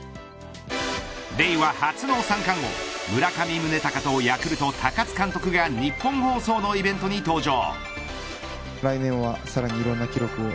令和初の三冠王、村上宗隆とヤクルト高津監督がニッポン放送のイベントに登場。